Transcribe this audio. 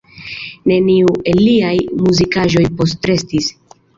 Neniu el liaj muzikaĵoj postrestis.